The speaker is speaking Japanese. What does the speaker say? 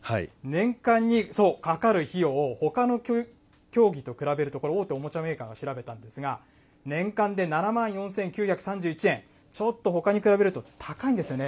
年間に、そう、かかる費用、ほかの競技と比べると、これ、大手おもちゃメーカーが調べたんですが、年間で７万４９３１円、ちょっとほかに比べると高いんですよね。